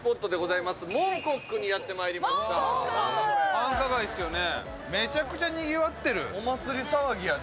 繁華街っすよね。